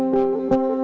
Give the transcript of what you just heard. lalu dia nyaman